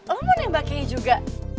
oh mau nembak kay juga